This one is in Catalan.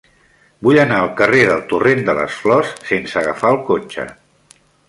Vull anar al carrer del Torrent de les Flors sense agafar el cotxe.